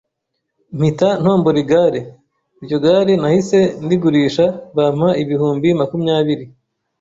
mpita ntombora Igare. Iryo gare nahise ndigurisha bampa ibihumbi makumyabiri